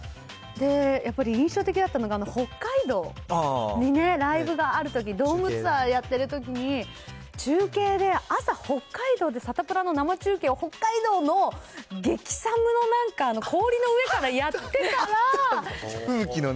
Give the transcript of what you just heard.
で、やっぱり印象的だったのが北海道にね、ライブがあるとき、ドームツアーやってるときに、中継で朝、北海道でサタプラの生中継を北海道の激寒のなんか、氷の上からや空気のね。